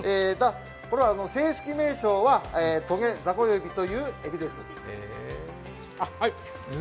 これは正式名称はトゲザコエビというエビです。